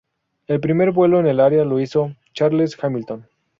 El primer vuelo en el área lo hizo Charles Hamilton.